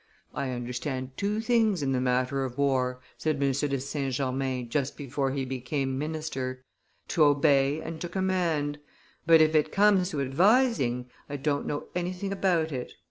"I understand two things in the matter of war," said M. de St. Germain just before he became minister, "to obey and to command; but, if it comes to advising, I don't know anything about it."